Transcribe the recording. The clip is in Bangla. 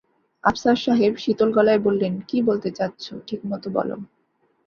আফসার সাহেব শীতল গলায় বলেন, কী বলতে চাচ্ছ ঠিকমতো বল।